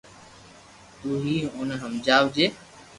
تو ھي اوني ھمجاجي